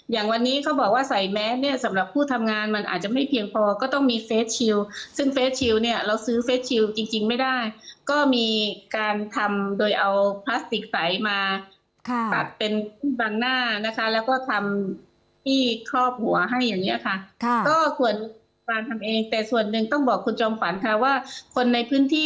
อย่างวันนี้เขาบอกว่าใส่แมสเนี่ยสำหรับผู้ทำงานมันอาจจะไม่เพียงพอก็ต้องมีเฟสชิลซึ่งเฟสชิลเนี่ยเราซื้อเฟสชิลจริงจริงไม่ได้ก็มีการทำโดยเอาพลาสติกใสมาค่ะตัดเป็นบางหน้านะคะแล้วก็ทำที่ครอบหัวให้อย่างเงี้ยค่ะค่ะก็ส่วนฟานทำเองแต่ส่วนหนึ่งต้องบอกคุณจอมฝันค่ะว่าคนในพื้นที่